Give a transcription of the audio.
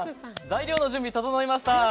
材料の準備、整いました。